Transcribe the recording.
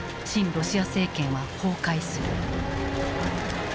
ロシア政権は崩壊する。